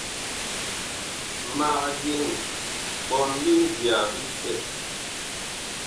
Mag diŋ ɓɔɔn bi mbiya bisɛ.